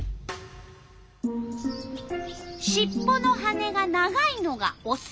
しっぽの羽が長いのがオス。